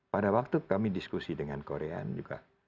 pada waktu kami diskusi dengan korean juga